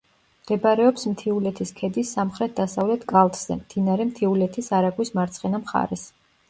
მდებარეობს მთიულეთის ქედის სამხრეთ-დასავლეთ კალთზე, მდინარე მთიულეთის არაგვის მარცხენა მხარეს.